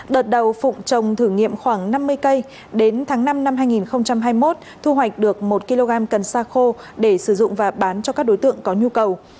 đợt đầu phụng trồng thử nghiệm khoảng năm mươi cây đến tháng năm năm hai nghìn hai mươi một thu hoạch được một kg cần sa khô để sử dụng và bán cho các đối tượng có nhu cầu